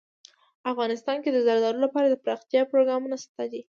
افغانستان کې د زردالو لپاره دپرمختیا پروګرامونه شته دي.